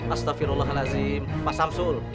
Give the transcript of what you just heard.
astagfirullahaladzim pak samsul